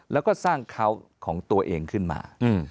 แล้วก็สร้างเขาของตัวเองขึ้นมา